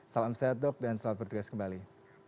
salam sehat dok dan selamat bertugas kembali